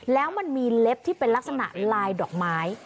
แล้วมันมีเล็บที่เป็นลักษณะลายดอกไม้